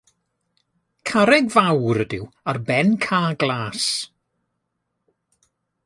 Carreg fawr ydyw, ar ben cae glas.